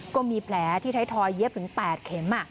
ก็มีแผลที่ไทยทอยเย็บถึง๘เข็ม